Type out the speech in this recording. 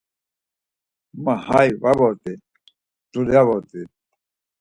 “Ma hay va vort̆i, dulya vort̆i.”